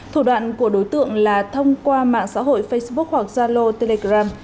thủ đoạn của đối tượng là thông qua mạng xã hội facebook hoặc gia lô telegram